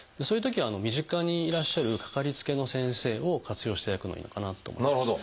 そういうときは身近にいらっしゃるかかりつけの先生を活用していただくのがいいのかなと思います。